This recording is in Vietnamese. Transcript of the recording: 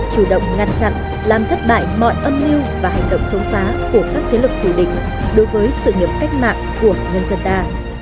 chủ động ngăn chặn làm thất bại mọi âm mưu và hành động chống phá của các thế lực thù địch đối với sự nghiệp cách mạng của nhân dân ta